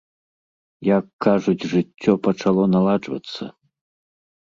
Як кажуць, жыццё пачало наладжвацца.